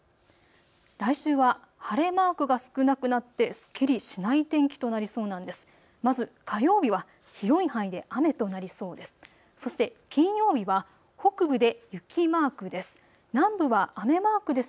来週は晴れマークが少なくなってすっきりしない天気となりそうなんです。